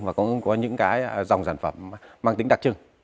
và có những dòng sản phẩm mang tính đặc trưng